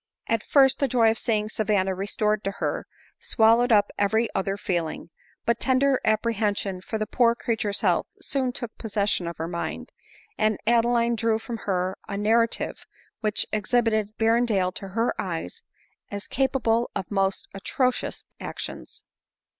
At first the joy of seeing Savanna restored to her, swallowed up every other feeling ; but tender apprehen sion for the poor creature's health soon took possession of her mind, and Adeline drew from her a narrative, which exhibited Berrendale to her eyes as capable of most atrocious actions.